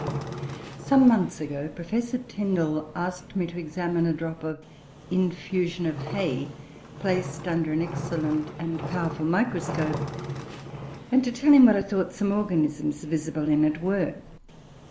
Some months ago, Professor Tyndall asked me to examine a drop of infusion of hay, placed under an excellent and powerful microscope, and to tell him what I thought some organisms visible in it were.